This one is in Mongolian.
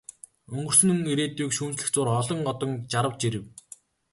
Өнгөрсөн ирээдүйг шүүмжлэх зуур олон одон жарав, жирэв.